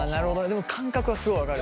でも感覚はすごい分かる。